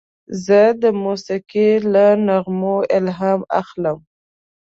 زه د موسیقۍ له نغمو الهام اخلم.